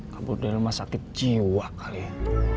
kabur dari rumah sakit jiwa kali ya